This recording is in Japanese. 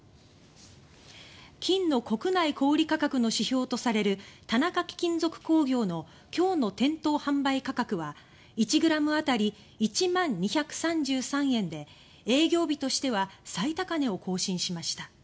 金の国内小売価格の指標とされる田中貴金属工業の今日の店頭販売価格は１ｇ当たり１万２３３円で営業日としては最高値を更新しました。